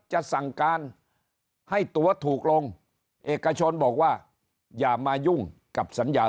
จะสั่งการให้ตัวถูกลงเอกชนบอกว่าอย่ามายุ่งกับสัญญา